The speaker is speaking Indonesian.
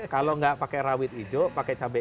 kalau nggak pakai rawit hijau pakai cabai